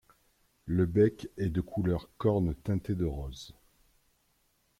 Le bec est de couleur corne teintée de rose.